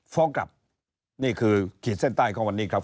ฟ้องกลับนี่คือขีดเส้นใต้ของวันนี้ครับ